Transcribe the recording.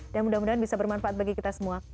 dan mudah mudahan bisa bermanfaat bagi kita semua